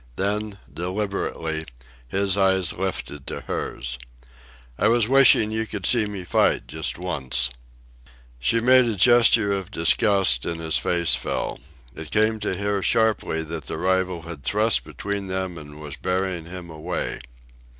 Then, deliberately, his eyes lifted to hers. "I was wishing you could see me fight just once." She made a gesture of disgust, and his face fell. It came to her sharply that the rival had thrust between and was bearing him away.